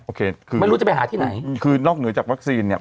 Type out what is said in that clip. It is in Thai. โอเคคือไม่รู้จะไปหาที่ไหนคือนอกเหนือจากวัคซีนเนี่ย